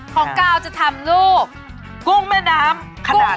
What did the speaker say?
ของกาวจะทำรูปกุ้งแม่น้ำขนาดกลาง